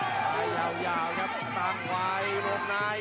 ซ้ายยาวครับตามไวน์ลงหน่าย